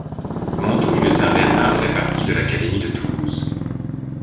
Montoulieu-Saint-Bernard fait partie de l'académie de Toulouse.